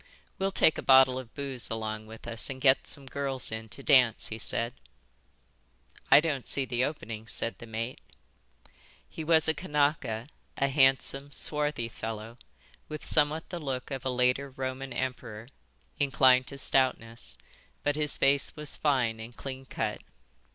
"We'll take a bottle of booze along with us and get some girls in to dance," he said. "I don't see the opening," said the mate. He was a Kanaka, a handsome, swarthy fellow, with somewhat the look of a later Roman emperor, inclined to stoutness; but his face was fine and clean cut.